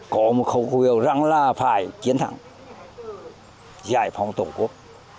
có một khẩu hiệu rằng là phải chiến thắng giải phóng tổ quốc